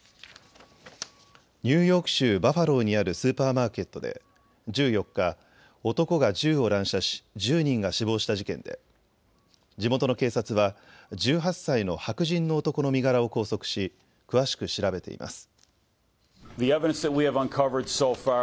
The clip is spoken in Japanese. ニューヨーク州バファローにあるスーパーマーケットで１４日、男が銃を乱射し１０人が死亡した事件で地元の警察は１８歳の白人の男の身柄を拘束し詳しく調べています。